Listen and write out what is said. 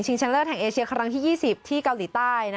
ชนะเลิศแห่งเอเชียครั้งที่๒๐ที่เกาหลีใต้